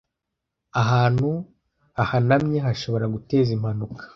ahantu hahanamye hashobora guteza impanuka